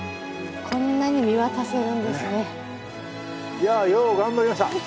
いやよう頑張りました。